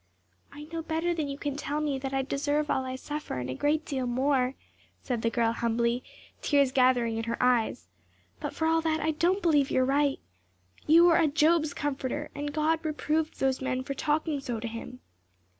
"I know better than you can tell me, that I deserve all I suffer and a great deal more," said the girl humbly, tears gathering in her eyes; "but for all that I don't believe you are right. You are a Job's comforter, and God reproved those men for talking so to him.